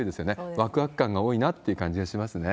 わくわく感が多いなって感じがしますね。